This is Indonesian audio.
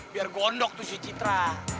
biar gondok tuh si citra